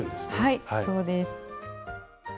はいそうです。